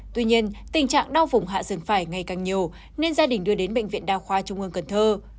tuy nhiên tình trạng đau vùng hạ rừng phải ngày càng nhiều nên gia đình đưa đến bệnh viện đa khoa trung ương cần thơ